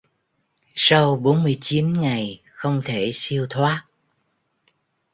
sau bốn mươi chín ngày không thể siêu thoát